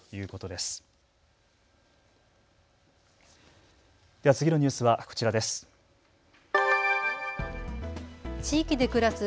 では次のニュースはこちらです。